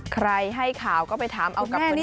ใครให้ข่าวก็ไปถามเอากับคนนี้